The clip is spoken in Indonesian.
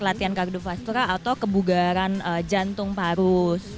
latihan kardiofaskular atau kebugaran jantung parus